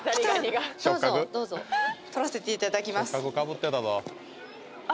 どうぞどうぞ取らせていただきますあ